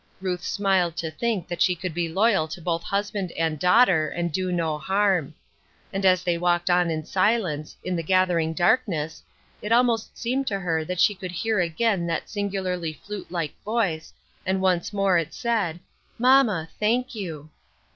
Ruth smiled to think that she could be loyal to both husband and daughter and do no harm. And as they walked on in silence, in the gathering darkness, it almost seemed to her that she could hear a<rain that singularly flute like voice, and once more it said, "Mamma, thank you."